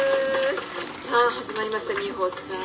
さあ始まりましたミホさん。